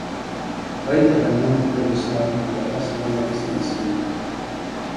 Ryder ganó un premio Slammy por la frase más molesta en diciembre.